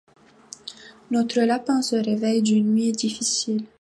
Notre lapin se réveille d'une nuit difficile.